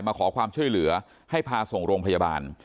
มาขอความช่วยเหลือให้พาส่งโรงพยาบาล